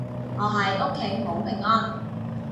我喺屋企好平安